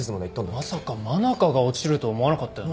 まさか真中が落ちるとは思わなかったよな。